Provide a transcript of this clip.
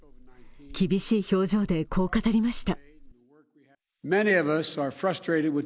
厳しい表情で、こう語りました。